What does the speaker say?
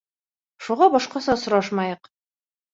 Шуға башҡаса осрашмайыҡ.